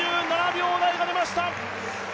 ４７秒台が出ました！